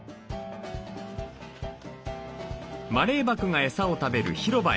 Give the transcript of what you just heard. マレーバクがエサを食べる広場へ。